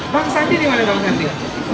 bang sandi dimana bang sandi